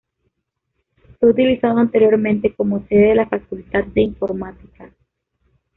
Fue utilizado anteriormente como sede de la Facultad de Informática.